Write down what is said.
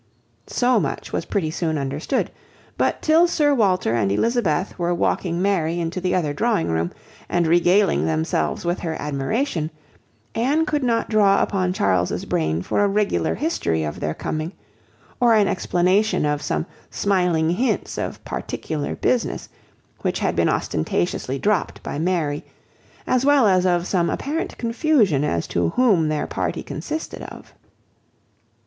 So much was pretty soon understood; but till Sir Walter and Elizabeth were walking Mary into the other drawing room, and regaling themselves with her admiration, Anne could not draw upon Charles's brain for a regular history of their coming, or an explanation of some smiling hints of particular business, which had been ostentatiously dropped by Mary, as well as of some apparent confusion as to whom their party consisted of.